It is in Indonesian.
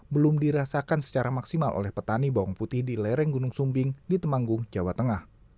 belum dirasakan secara maksimal oleh petani bawang putih di lereng gunung sumbing di temanggung jawa tengah